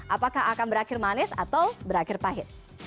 apakah akan berakhir manis atau berakhir pahit